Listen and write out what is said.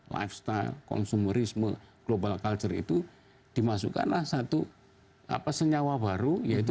lifestyle konsumerisme global culture itu dimasukkanlah satu apa senyawa baru yaitu